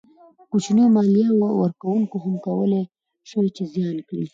کوچنیو مالیه ورکوونکو هم کولای شوای چې زیان کړي.